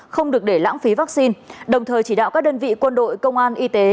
không được để lãng phí vaccine đồng thời chỉ đạo các đơn vị quân đội công an y tế